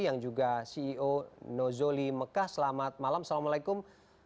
yang juga ceo nozoli mekah selamat malam assalamualaikum